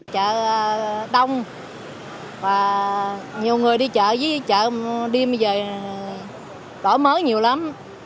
chợ đông và nhiều người đi chợ với chợ đêm bây giờ tỏa mới nhiều lắm